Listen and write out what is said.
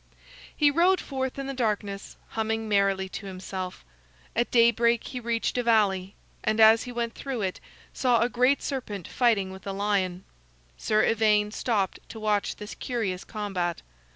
He rode forth in the darkness, humming merrily to himself. At daybreak he reached a valley, and as he went through it, saw a great serpent fighting with a lion. Sir Ivaine stopped to watch this curious combat.